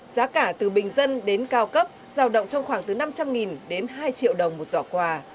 giá cả từ bình dân đến cao cấp giao động trong khoảng từ năm trăm linh đến hai triệu đồng một giỏ quà